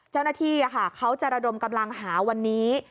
เจ้าหน้าที่เขาจะระดมกำลังหาวันนี้